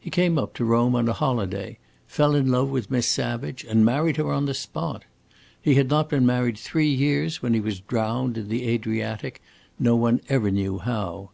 He came up to Rome on a holiday, fell in love with Miss Savage, and married her on the spot. He had not been married three years when he was drowned in the Adriatic, no one ever knew how.